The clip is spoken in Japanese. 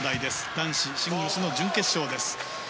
男子シングルスの準決勝です。